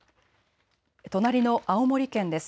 隣の青森県です。